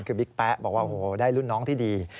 คือบิ๊กแป๊ะบอกว่าโอ้โหได้รุ่นน้องที่ดี